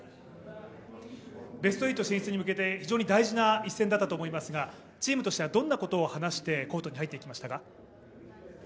ベスト８進出に向けて非常に大事な一戦だったと思いますがチームとしてはどんなことを話してコートに入っていきましたか？